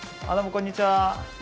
こんにちは。